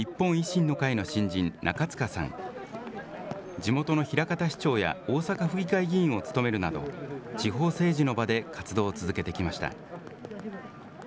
地元の枚方市長や大阪府議会議員を務めるなど、地方政治の場で活動を続けてきました。